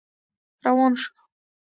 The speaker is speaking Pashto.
روان شو.